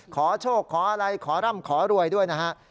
ขอโชคขออะไรขอร่ำขอรวยด้วยนะฮะ